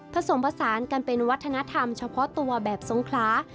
ผสมผสานกันเป็นวัฒนธรรมเฉพาะตัวแบบสงคลา